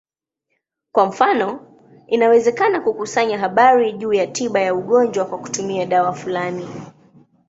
Kwa mfano, inawezekana kukusanya habari juu ya tiba ya ugonjwa kwa kutumia dawa fulani.